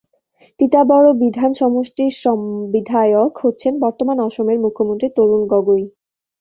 তিতাবড় বিধান সমষ্টির বিধায়ক হচ্ছেন বর্তমান অসমের মুখ্যমন্ত্রী তরুণ গগৈ।